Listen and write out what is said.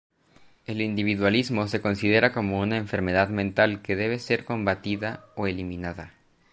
El individualismo se considera como una enfermedad mental que debe ser combatida o eliminada.